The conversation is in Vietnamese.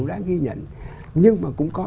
đã ghi nhận nhưng mà cũng có